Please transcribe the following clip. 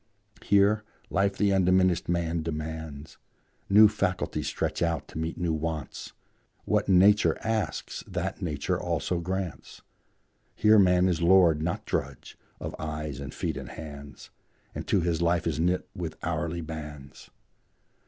Here, life the undiminished man demands; New faculties stretch out to meet new wants; What Nature asks, that Nature also grants; Here man is lord, not drudge, of eyes and feet and hands, And to his life is knit with hourly bands.